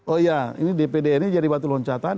oh iya ini dpd ini jadi batu loncatan